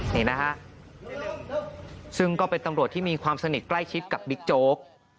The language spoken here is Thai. นี่นะฮะซึ่งก็เป็นตำรวจที่มีความสนิทใกล้ชิดกับบิ๊กโจ๊ก